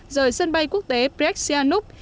rời sân bay quốc tế phreg sihanouk